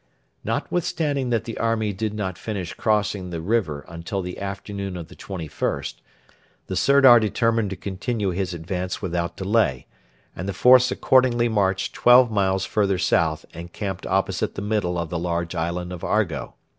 Notwithstanding that the army did not finish crossing the river until the afternoon of the 21st, the Sirdar determined to continue his advance without delay, and the force accordingly marched twelve miles further south and camped opposite the middle of the large island of Argo.